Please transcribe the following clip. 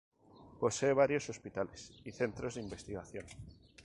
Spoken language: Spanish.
Posee varios hospitales y centros de investigación.